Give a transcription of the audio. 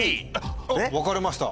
分かれました。